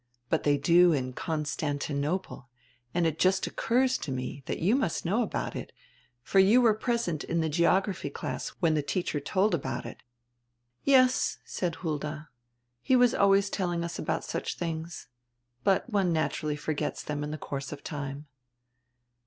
But diey do in Constantinople and it just occurs to me diat you must know about it, for you were present in die geography class when die teacher told about it." "Yes," said Hulda, "he was always telling us about such tilings. But one naturally forgets diem in die course of time."